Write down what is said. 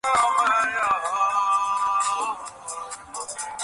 আমি বুঝি জানি নে?